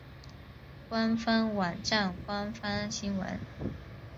官方网站官方新闻